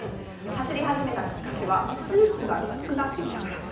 走り始めたきっかけはスーツがきつくなってきたから。